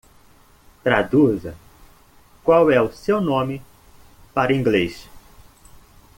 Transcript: Traduza "qual é o seu nome?" para Inglês.